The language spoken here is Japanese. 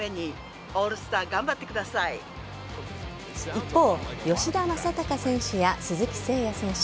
一方吉田正尚選手や鈴木誠也選手